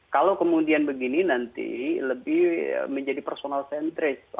kalau kemudian begini nanti lebih menjadi personal centris